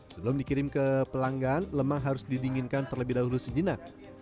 sebelum dikirim ke pelanggan lemang harus didinginkan terlebih dahulu sejenak